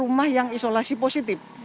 rumah yang isolasi positif